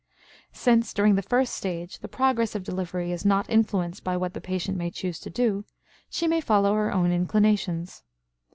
Since, during the first stage, the progress of delivery is not influenced by what the patient may choose to do, she may follow her own inclinations.